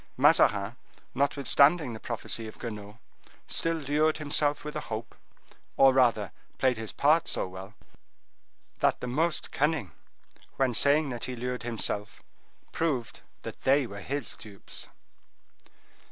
Mazarin, notwithstanding the prophecy of Guenaud, still lured himself with a hope, or rather played his part so well, that the most cunning, when saying that he lured himself, proved that they were his dupes.